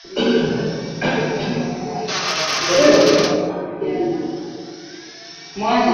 ni ya kipekee wanaita wao wenyewe wanaita sweet crude yaani